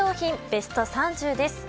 ベスト３０です。